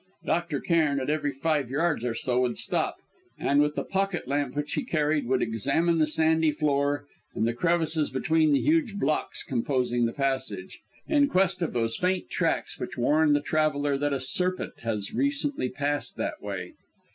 Dr. Cairn at every five yards or so would stop, and, with the pocket lamp which he carried, would examine the sandy floor and the crevices between the huge blocks composing the passage, in quest of those faint tracks which warn the traveller that a serpent has recently passed that way.